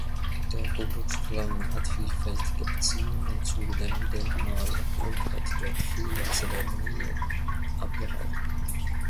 Der Ku-Klux-Klan hat vielfältige Beziehungen zu dem Denkmal und hat dort viele Zeremonien abgehalten.